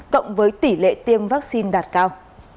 cộng với tỷ lệ tiêm vaccine đạt cao